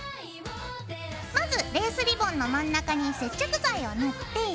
まずレースリボンの真ん中に接着剤を塗って。